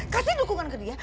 kasih dukungan ke dia